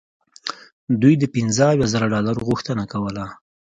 دوی د پنځه اویا زره ډالرو غوښتنه کوله.